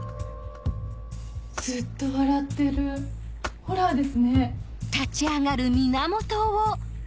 ずっと笑ってるホラーですね。